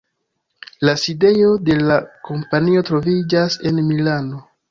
La sidejo de la kompanio troviĝas en Milano.